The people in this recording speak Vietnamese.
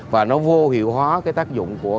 và nó vô hiệu hóa cái tác dụng của